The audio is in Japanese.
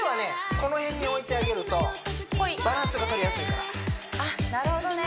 この辺に置いてあげるとバランスがとりやすいからあっなるほどね